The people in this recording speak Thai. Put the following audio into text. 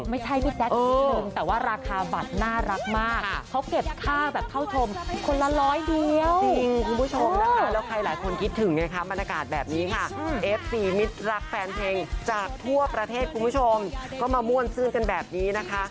ไม่ใช่ไม่เต็กซุปรุงแต่ว่าราคาบัตรน่ารักมาก